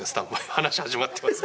話始まってますけど。